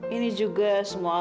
ini juga semua